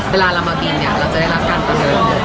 เวลาเรามากินเนี่ยเราจะได้รับการประเมิน